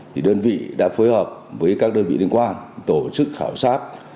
thì đơn vị đã phối hợp với các đơn vị liên quan tổ chức khảo sát